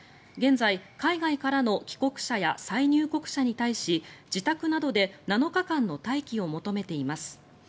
現在、海外からの帰国者や再入国者に対し自宅などで７日間の待機を求めています。